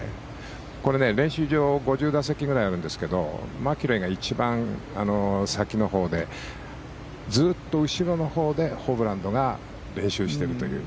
これ、練習場５０打席ぐらいあるんですけどマキロイが１番先のほうでずっと後ろのほうでホブランが練習しているという。